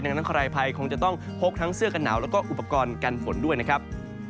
ดังนั้นใครภัยคงจะต้องพกทั้งเสื้อกันหนาวแล้วก็อุปกรณ์กันฝนด้วยนะครับ